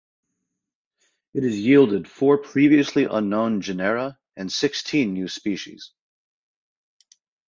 It has yielded four previously unknown genera and sixteen new species.